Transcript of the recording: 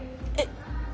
えっ。